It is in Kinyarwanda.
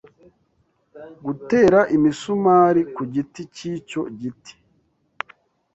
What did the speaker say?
Gutera imisumari ku giti cyicyo giti.